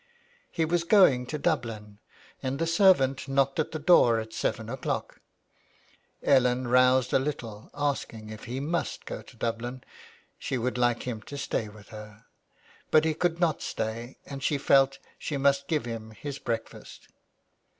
He was going to Dublin, and the servant knocked at the door at seven o'clock; Ellen roused a little asking if he must go to Dublin. She would like him to stay with her. But he could not stay, and she felt she must give him his breakfast.